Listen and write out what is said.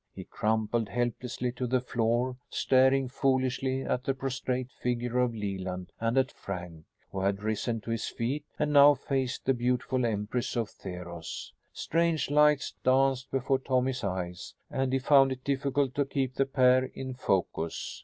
He crumpled helplessly to the floor, staring foolishly at the prostrate figure of Leland and at Frank, who had risen to his feet and now faced the beautiful empress of Theros. Strange lights danced before Tommy's eyes, and he found it difficult to keep the pair in focus.